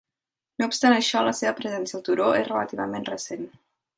No obstant això, la seva presència al turó és relativament recent.